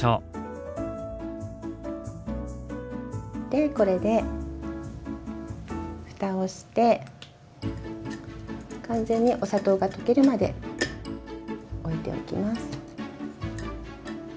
でこれでふたをして完全にお砂糖が溶けるまでおいておきます。